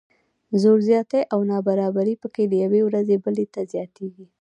زور زیاتی او نابرابري پکې له یوې ورځې بلې ته زیاتیږي.